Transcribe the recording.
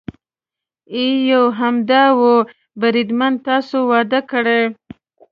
یې یو همدا و، بریدمنه تاسې واده کړی؟